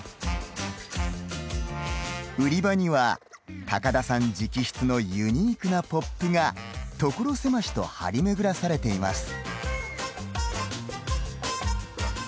売り場には、高田さん直筆のユニークなポップが所狭しと張り巡らされています。